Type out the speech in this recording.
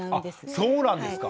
あそうなんですか！